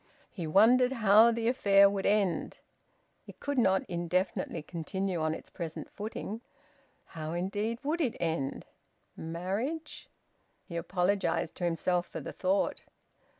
He wondered how the affair would end? It could not indefinitely continue on its present footing. How indeed would it end? Marriage... He apologised to himself for the thought...